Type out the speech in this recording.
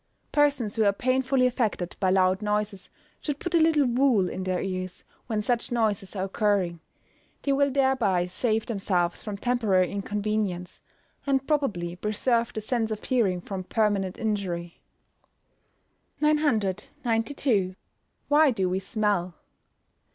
Persons who are painfully affected by loud noises should put a little wool in their ears when such noises are occurring; they will thereby save themselves from temporary inconvenience, and probably preserve the sense of hearing from permanent injury. 992. _Why do we smell?